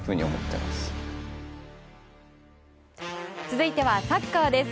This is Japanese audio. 続いてはサッカーです。